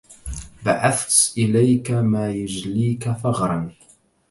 بعثت إليك ما يجليك ثغرا